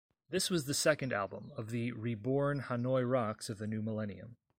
This was the second album, of the "reborn" Hanoi Rocks of the new millennium.